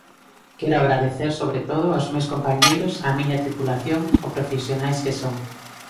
Quero agradecer, sobre todo, aos meus compañeiros, á miña tripulación, o profesionais que son.